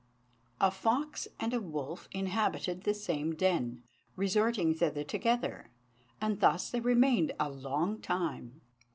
A fox and a wolf inhabited the same den, resorting thither together, and thus they remained a long time.